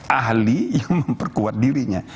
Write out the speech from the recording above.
ahli yang memperkuat dirinya